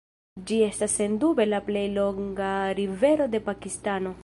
Ĝi estas sendube la plej longa rivero de Pakistano.